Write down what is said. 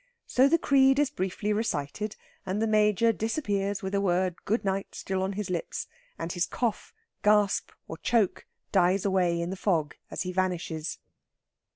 So the creed is briefly recited, and the Major disappears with the word good night still on his lips, and his cough, gasp, or choke dies away in the fog as he vanishes.